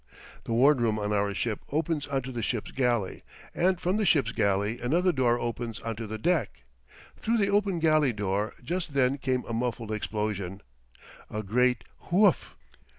The ward room on our ship opens onto the ship's galley; and from the ship's galley another door opens onto the deck. Through the open galley door just then came a muffled explosion a great Woof!